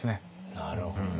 なるほど。